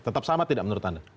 tetap sama tidak menurut anda